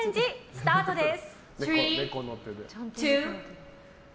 スタートです！